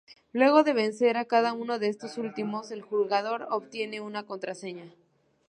Luego de vencer a cada uno de estos últimos, el jugador obtiene una contraseña.